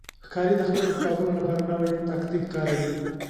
ښکاري د خپلو ښکارونو لپاره نوی تاکتیک کاروي.